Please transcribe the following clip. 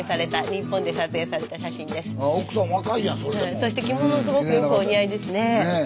そして着物すごくよくお似合いですね。